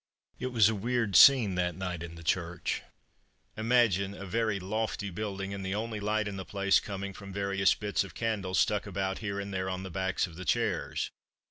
It was a weird scene, that night in the church. Imagine a very lofty building, and the only light in the place coming from various bits of candles stuck about here and there on the backs of the chairs.